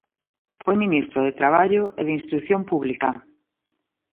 Foi ministro de Traballo e de Instrución Pública.